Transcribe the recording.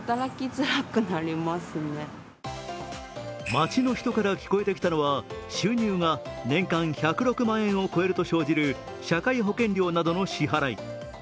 街の人から聞こえてきたのは収入が年間１０６万円を超えると生じる社会保険料などの支払い。